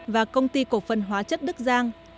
và công ty cổ phần hóa chất ức giang